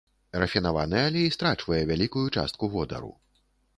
Рафінаваны алей страчвае вялікую частку водару.